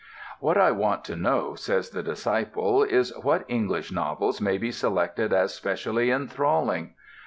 "What I want to know," says the disciple, "is, what English novels may be selected as specially enthralling."